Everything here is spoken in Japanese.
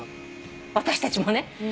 私たちもね。